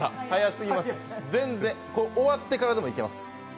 早すぎます、全然終わってからでも行けます。